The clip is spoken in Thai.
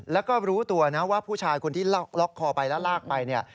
แล้วก็รู้ตัวนะว่าผู้ชายคนที่ล็อกคอไปแล้วลากไปเนี่ย